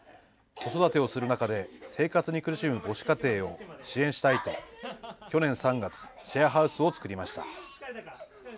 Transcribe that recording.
子育てをする中で生活に苦しむ母子家庭を支援したいと、去年３月、シェアハウスを作りました。